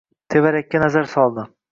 Tevarakka nazar soldi.